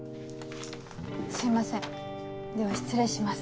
すいませんでは失礼します。